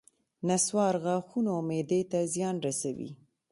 نصوار غاښونو او معدې ته زیان رسوي